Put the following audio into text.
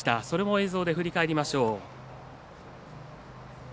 映像で振り返りましょう。